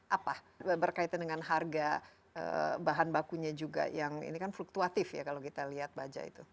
apa berkaitan dengan harga bahan bakunya juga yang ini kan fluktuatif ya kalau kita lihat baja itu